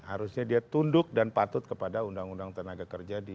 harusnya dia tunduk dan patut kepada undang undang tenaga kerja